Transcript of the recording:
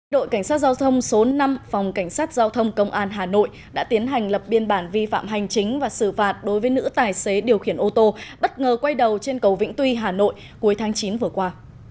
đội cảnh sát giao thông số năm phòng cảnh sát giao thông công an hà nội đã tiến hành lập biên bản vi phạm hành chính và xử phạt đối với nữ tài xế điều khiển ô tô bất ngờ quay đầu trên cầu vĩnh tuy hà nội cuối tháng chín vừa qua